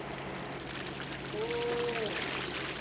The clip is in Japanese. お。